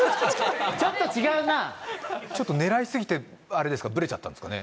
ちょっと違うなあちょっと狙いすぎてブレちゃったんですかね